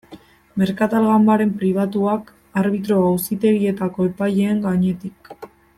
Merkatal ganbaren pribatuak arbitro auzitegietako epaileen gainetik.